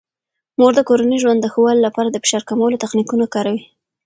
مور د کورني ژوند د ښه والي لپاره د فشار کمولو تخنیکونه کاروي.